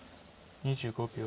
２５秒。